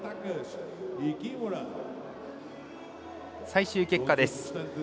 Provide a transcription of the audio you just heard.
最終結果です。